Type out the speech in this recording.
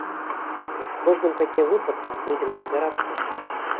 З кожным такім выпадкам будзем разбірацца.